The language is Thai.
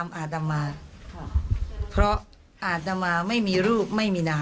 แม่ของแม่ชีอู๋ได้รู้ว่าแม่ของแม่ชีอู๋ได้รู้ว่า